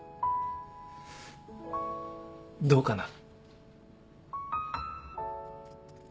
どうかな？